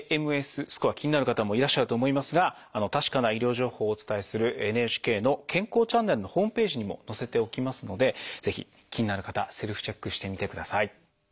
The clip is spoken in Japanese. ＡＭＳスコア気になる方もいらっしゃると思いますが確かな医療情報をお伝えする「ＮＨＫ健康チャンネル」のホームページにも載せておきますのでぜひ気になる方はセルフチェックしてみてください。